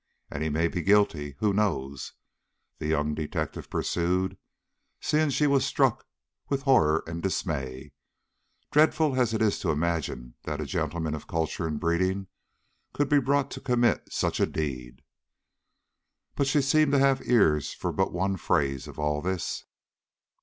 And he may be guilty, who knows," the young detective pursued, seeing she was struck with horror and dismay, "dreadful as it is to imagine that a gentleman of culture and breeding could be brought to commit such a deed." But she seemed to have ears for but one phrase of all this.